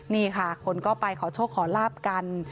นี่ค่ะคนก็ไปขอโชคขอลาบกัน